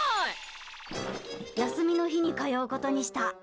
休みの日に通うことにした。